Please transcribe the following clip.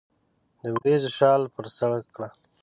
د وریځو شال پر سرکړه